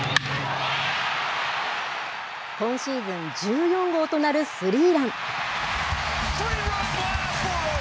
今シーズン１４号となるスリーラン。